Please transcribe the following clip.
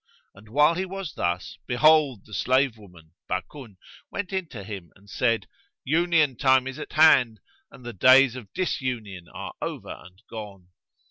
And while he was thus, behold, the slave woman, Bakun, went in to him and said, "Union time is at hand and the days of disunion are over and gone."